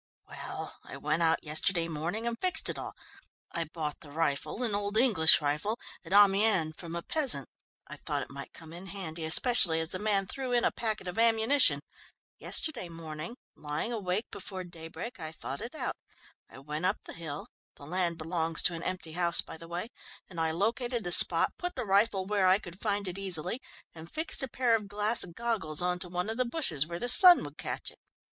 "Well, I went out yesterday morning and fixed it all. I bought the rifle, an old English rifle, at Amiens from a peasant. I thought it might come in handy, especially as the man threw in a packet of ammunition. Yesterday morning, lying awake before daybreak, I thought it out. I went up to the hill the land belongs to an empty house, by the way and I located the spot, put the rifle where I could find it easily, and fixed a pair of glass goggles on to one of the bushes, where the sun would catch it.